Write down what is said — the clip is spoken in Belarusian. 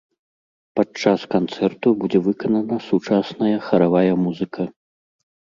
Падчас канцэрту будзе выканана сучасная харавая музыка.